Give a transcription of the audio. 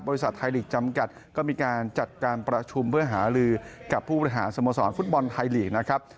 ไทยลีกจำกัดก็มีการจัดการประชุมเพื่อหาลือกับผู้บริหารสโมสรฟุตบอลไทยลีกนะครับ